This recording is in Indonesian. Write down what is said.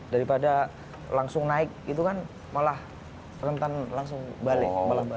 daripada langsung naik gitu kan malah perhentan langsung balik